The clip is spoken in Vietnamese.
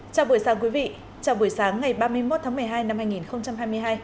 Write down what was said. chào buổi sáng quý vị trong buổi sáng ngày ba mươi một tháng một mươi hai năm hai nghìn hai mươi hai